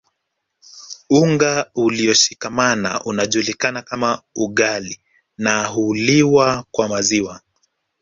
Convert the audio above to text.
Unga ulioshikamana unajulikana kama ugali na huliwa kwa maziwa